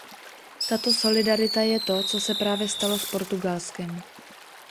Tato solidarita je to, co se právě stalo s Portugalskem.